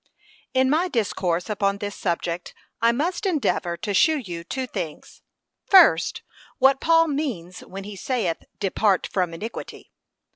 In my discourse upon this subject, I must endeavour to shew you two things. FIRST, What Paul means when he saith, 'depart from iniquity.'